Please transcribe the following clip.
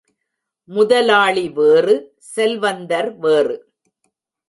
முதலாளி வேறு செல்வந்தர் வேறு.